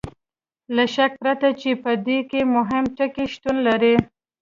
له شک پرته چې په دې کې مهم ټکي شتون لري.